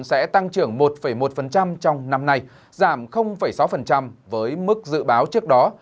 sẽ tăng trưởng một một trong năm nay giảm sáu với mức dự báo trước đó